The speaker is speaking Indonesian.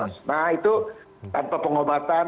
nah itu tanpa pengobatan